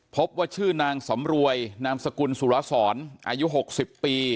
พบว่าชื่อนางสำรวยนามสกุลสุรสรอายุ๖๐ปี